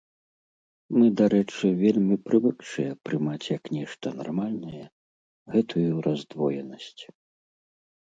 Мы, дарэчы, вельмі прывыкшыя прымаць як нешта нармальнае гэтую раздвоенасць.